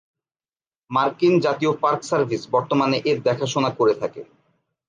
মার্কিন জাতীয় park service বর্তমানে এর দেখা শোনা করে থাকে।